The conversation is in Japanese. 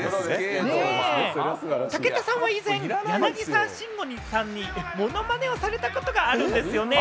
武田さんは以前、柳沢慎吾さんにモノマネをされたことがあるんですよね？